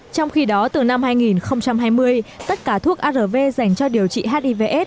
trong khi đó từ năm hai nghìn hai mươi tất cả thuốc arv dành cho điều trị hivs